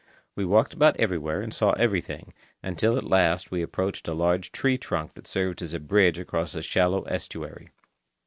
We walked about everywhere and saw everything until at last we approached a large tree trunk that served as a bridge across a shallow estuary.